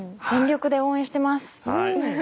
全力で応援してます。